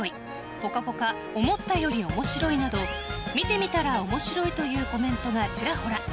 「ぽかぽか」思ったより面白いなど見てみたら面白いというコメントがちらほら。